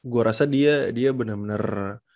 gue rasa dia benar benar